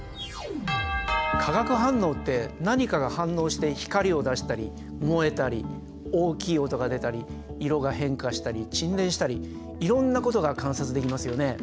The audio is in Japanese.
化学反応って何かが反応して光を出したり燃えたり大きい音が出たり色が変化したり沈殿したりいろんなことが観察できますよね。